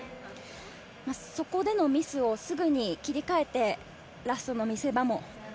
そこでのミスをすぐに切り替えてラストの見せ場も。